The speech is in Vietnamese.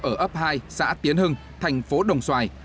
ở ấp hai xã tiến hưng thành phố đồng xoài